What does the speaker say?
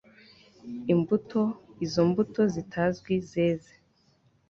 Imbuto izo mbuto zitazwi zeze